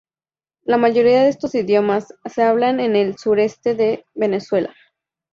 La mayoría de estos idiomas se hablan en el Sureste de Venezuela.